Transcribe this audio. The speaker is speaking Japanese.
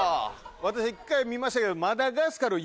私一回見ましたけど。